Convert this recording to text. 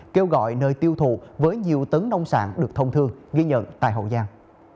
kêu gọi nơi tiêu thụ với nhiều tấn nông sản được thông thương ghi nhận tại hậu giang